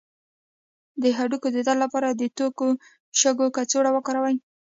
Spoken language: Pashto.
د هډوکو د درد لپاره د تودو شګو کڅوړه وکاروئ